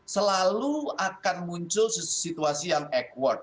selalu akan muncul situasi yang awkward